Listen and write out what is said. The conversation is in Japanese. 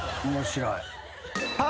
面白い。